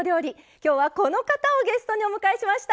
今日は、この方をゲストにお迎えしました。